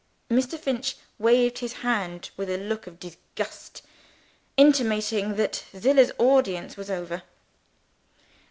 Mr. Finch waved his hand with a look of disgust, intimating that Zillah's audience was over.